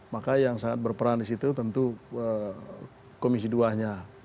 maka yang sangat berperan di situ tentu komisi dua nya